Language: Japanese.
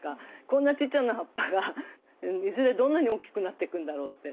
こんなちっちゃな葉っぱがいずれどんなに大きくなっていくんだろうって。